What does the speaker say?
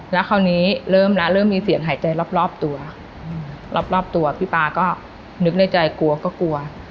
แล้วคราวนี้เริ่มแล้วเริ่มมีเสียงหายใจรอบตัวรอบตัวพี่ป๊าก็นึกในใจกลัวก็กลัว